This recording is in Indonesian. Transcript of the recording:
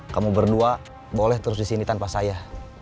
kamu berdua boleh terus di sini tanpa saya